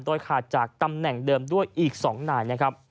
โดยขาดจากตำแหน่งเดิมด้วยอีกสองนาย